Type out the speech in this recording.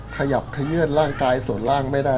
ขยับขยื่นร่างกายส่วนล่างไม่ได้